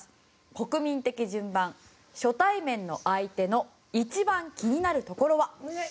国民的順番初対面の相手の一番気になるところは？